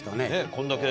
こんだけ。